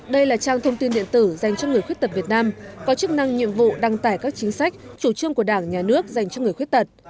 đây là trang thông tin điện tử dành cho người khuyết tật việt nam có chức năng nhiệm vụ đăng tải các chính sách chủ trương của đảng nhà nước dành cho người khuyết tật